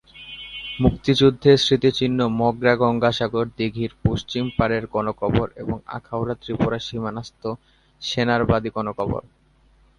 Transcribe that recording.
মুক্তিযুদ্ধের স্মৃতিচিহ্ন মগরা গঙ্গাসাগর দীঘির পশ্চিম পাড়ের গণকবর এবং আখাউড়া ত্রিপুরা সীমানাস্থ সেনারবাদী গণকবর।